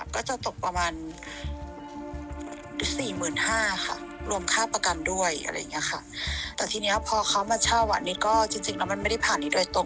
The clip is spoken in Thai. ก็จะตกประมาณสี่หมื่นห้าค่ะรวมค่าประกันด้วยอะไรอย่างเงี้ยค่ะแต่ทีนี้พอเขามาเช่าอ่ะนี่ก็จริงแล้วมันไม่ได้ผ่านนี้โดยตรง